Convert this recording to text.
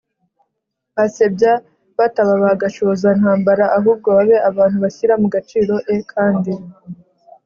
basebya bataba ba gashozantambara ahubwo babe abantu bashyira mu gaciro e kandi